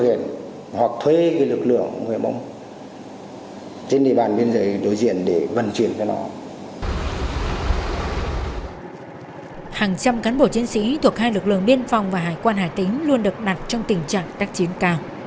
hàng trăm cán bộ chiến sĩ thuộc hai lực lượng biên phòng và hải quan hà tĩnh luôn được đặt trong tình trạng tác chiến cao